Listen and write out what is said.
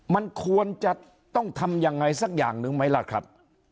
มันควรจะต้องทำยังไงสักอย่างหนึ่งไหมล่ะครับ